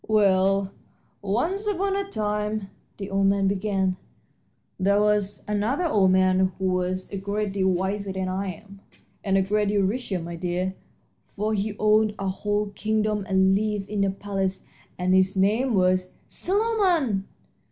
"Well, once upon a time," the old man began, "there was another old man who was a great deal wiser than I am, and a great deal richer, my dear, for he owned a whole kingdom and lived in a palace, and his name was " "Solomon!"